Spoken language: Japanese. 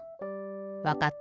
わかった。